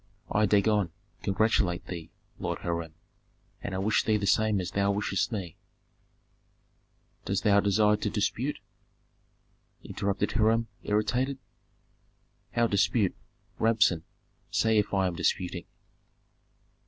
"I, Dagon, congratulate thee, Lord Hiram, and I wish thee the same as thou wishest me " "Dost thou desire to dispute?" interrupted Hiram, irritated. "How dispute? Rabsun, say if I am disputing."